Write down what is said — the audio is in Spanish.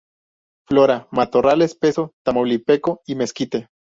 Flora: Matorral espeso tamaulipeco y mezquite.